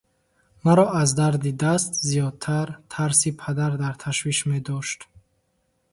Маро аз дарди даст зиёдтар тарси падар дар ташвиш медошт.